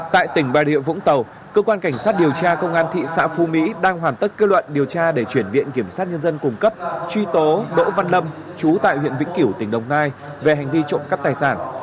tại tỉnh bà rịa vũng tàu cơ quan cảnh sát điều tra công an thị xã phú mỹ đang hoàn tất kết luận điều tra để chuyển viện kiểm sát nhân dân cung cấp truy tố đỗ văn lâm chú tại huyện vĩnh kiểu tỉnh đồng nai về hành vi trộm cắp tài sản